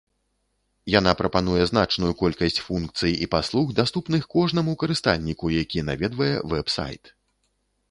Яна прапануе значную колькасць функцый і паслуг, даступных кожнаму карыстальніку, які наведвае вэб-сайт.